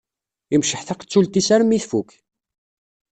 Imceḥ taqessult-is armi tfukk